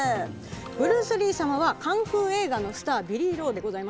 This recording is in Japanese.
ブルース・リー様はカンフー映画のスター「ビリー・ロー」でございました。